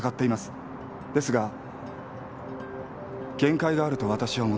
ですが限界があるとわたしは思ってます。